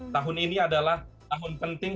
tahun ini adalah tahun penting